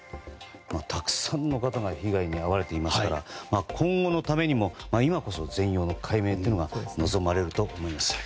たくさんの方が被害に遭われていますから今後のためにも今こそ全容の解明というのが望まれると思います。